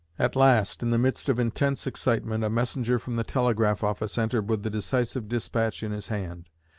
At last, in the midst of intense excitement, a messenger from the telegraph office entered with the decisive dispatch in his hand.